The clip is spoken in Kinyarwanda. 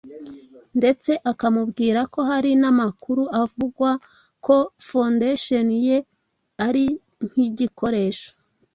ndetse akamubwira ko hari n'amakuru avugwa ko 'Fondation' ye ari nkigikoresho